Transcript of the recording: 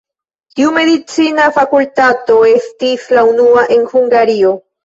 Tiu medicina fakultato estis la unua en Hungario.